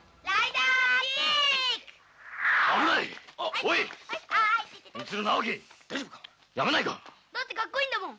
だってかっこいいんだもん！